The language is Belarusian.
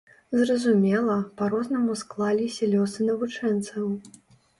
Зразумела, па-рознаму склаліся лёсы навучэнцаў.